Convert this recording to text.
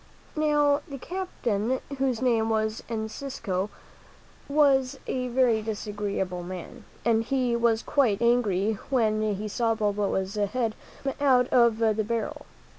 Now, the captain, whose name was Encisco, was a very disagreeable man, and he was quite angry when he saw Balboa's head come out of the barrel.